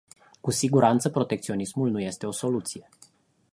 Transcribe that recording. Cu siguranță protecționismul nu este o soluție.